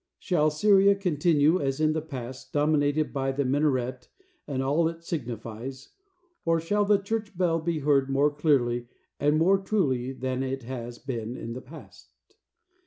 Shall Syria continue, as in the past, dominated by the minaret and all it signifies, or shall the church bell be heard more clearly and more truly than it has been in the past?